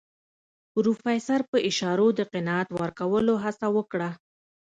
پروفيسر په اشارو د قناعت ورکولو هڅه وکړه.